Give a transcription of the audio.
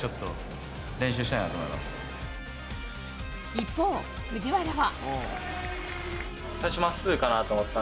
一方、藤原は。